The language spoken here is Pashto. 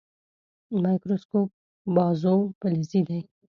مایکروسکوپ بازو فلزي دی.